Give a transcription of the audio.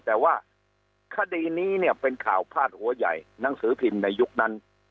แต่ว่าคดีนี้เนี่ยเป็นข่าวพาดหัวใหญ่หนังสือพิมพ์ในยุคนั้น